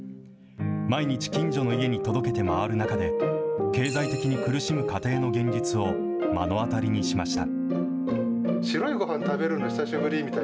毎日近所の家に届けて回る中で、経済的に苦しむ家庭の現実を目の当たりにしました。